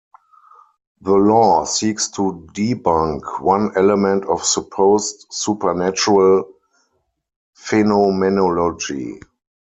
The law seeks to debunk one element of supposed supernatural phenomenology.